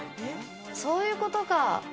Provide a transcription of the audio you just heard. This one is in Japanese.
そういうことか。